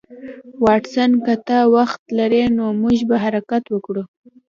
واټسن که ته وخت لرې نو موږ به حرکت وکړو